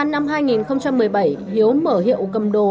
năm hai nghìn một mươi bảy hiếu mở hiệu cầm đồ